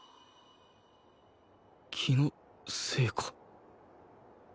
気のせいか